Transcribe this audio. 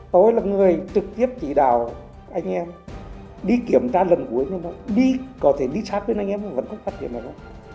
tôi là người trực tiếp chỉ đào anh em đi kiểm tra lần cuối nhưng mà đi có thể đi sát với anh em mà vẫn không phát hiện được